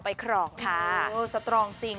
ครองค่ะสตรองจริง